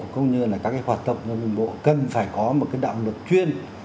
cũng như là các cái hoạt động giao thông đường bộ cần phải có một cái đạo luật chuyên